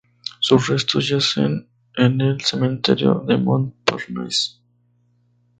Sus restos yacen en el cementerio de Montparnasse.